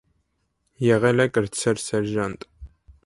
Եղել է կրտսեր սերժանտ։